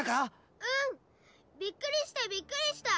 うん！びっくりしたびっくりした！